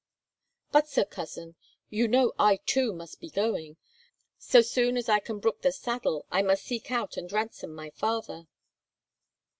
But, Sir Cousin, you know I too must be going. So soon as I can brook the saddle, I must seek out and ransom my father."